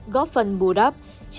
góp phần bù đáp